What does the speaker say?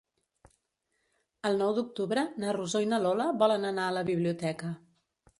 El nou d'octubre na Rosó i na Lola volen anar a la biblioteca.